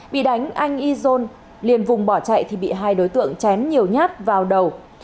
bị đánh anh izon liền vùng bỏ chạy thì bị hai đối tượng chém nhiều nhát vào đầu